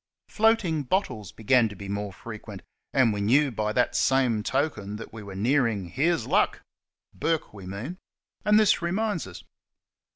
Floating bottles began to be more frequent, and we. knew by that same token that we were nearing " Here's Luck !" Bourke, we mean. And this reminds us.